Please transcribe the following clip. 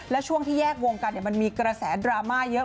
และช่วงที่แยกวงกันมันมีกระแสดราม่าเยอะ